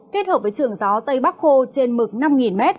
kết hợp với trường gió tây bắc khô trên mực năm m